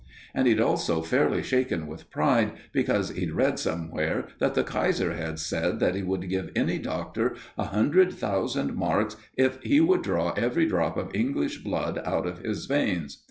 And he'd also fairly shaken with pride because he'd read somewhere that the Kaiser had said that he would give any doctor a hundred thousand marks if he would draw every drop of English blood out of his veins.